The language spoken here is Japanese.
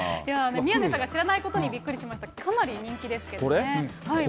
宮根さんが知らないことにびっくりしましたけど、かなり人気ですけどね。